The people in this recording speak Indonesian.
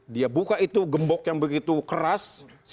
dia buka itu gembok yang begitu keras